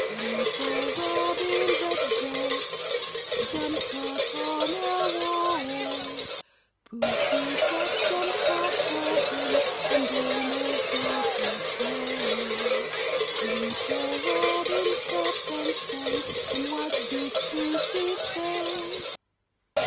Little Robin Redbreast jumped upon a wall, Pussy cat jumped after him and almost got a fall; Little Robin chirped and sang, and what did Pussy say?